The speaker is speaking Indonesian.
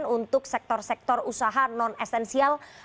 untuk sektor sektor usaha non esensial